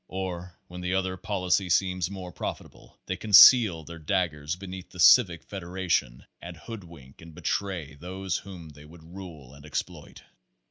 Or when the other policy seems more profitable, they conceal their daggers beneath the Civic Federation and hoodwink and betray those whom they would rule and exploit.